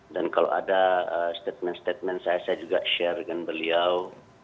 dan kalau ada statement statement saya saya juga share dengan beliau